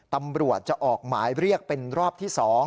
ตำรวจจะออกหมายเรียกเป็นรอบที่๒